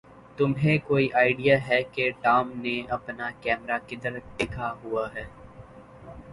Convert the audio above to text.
تمھیں کوئی آئڈیا ہے کہ ٹام نے اپنا کیمرہ کدھر دکھا ہوا ہے؟